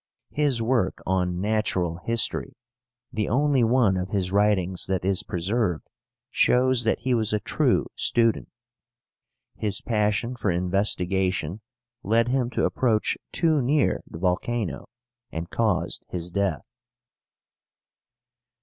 His work on Natural History, the only one of his writings that is preserved, shows that he was a true student. His passion for investigation led him to approach too near the volcano, and caused his death.